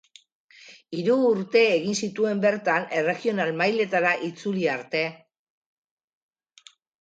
Hiru urte egin zituen bertan Erregional mailetara itzuli arte.